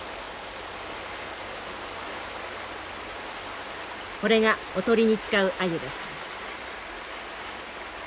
これがおとりに使うアユです。